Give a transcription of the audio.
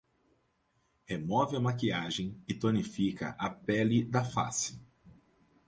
Remove a maquiagem e tonifica a pele da face